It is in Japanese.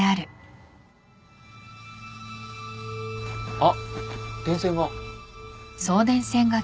あっ電線が。